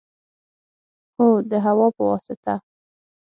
هو، د هوا په واسطه